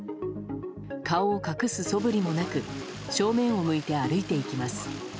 顔を隠すそぶりもなく正面を向いて歩いていきます。